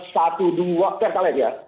satu dua doang